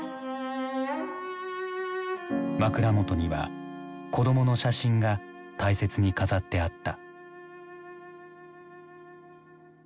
枕元には子どもの写真が大切に飾ってあった。